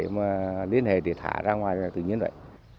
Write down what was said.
mà liên hệ để thả ra ngoài tự nhiên vậy